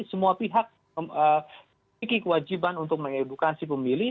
semua pihak memiliki kewajiban untuk mengedukasi pemilih